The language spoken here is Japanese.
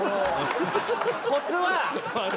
コツは。